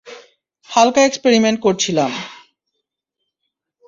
হালকা এক্সপেরিমেন্ট করছিলাম।